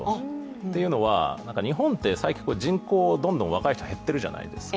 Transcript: というのは、日本は最近どんどん、人口が若い人は減っているじゃないですか。